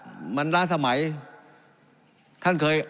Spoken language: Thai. การปรับปรุงทางพื้นฐานสนามบิน